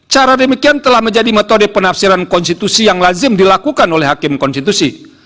cara demikian telah menjadi metode penafsiran konstitusi yang lazim dilakukan oleh hakim konstitusi